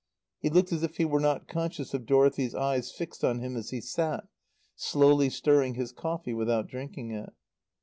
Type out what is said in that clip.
He looked as if he were not conscious of Dorothy's eyes fixed on him as he sat, slowly stirring his coffee without drinking it.